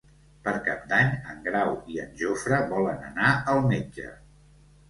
Per Cap d'Any en Grau i en Jofre volen anar al metge.